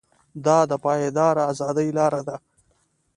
دا د پایداره ازادۍ لاره ده.